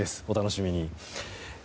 お楽しみに。